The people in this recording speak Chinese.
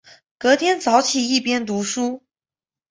隔天早起一边读书